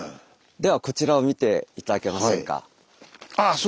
ではこちらを見て頂けませんか。